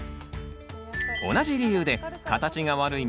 同じ理由で形が悪い